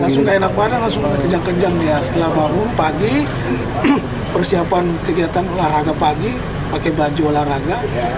setelah bangun pagi persiapan kegiatan olahraga pagi pakai baju olahraga